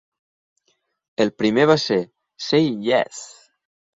El primer va ser "Say Yes!"